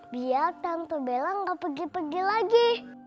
biar tante bella gak pergi pergi lagi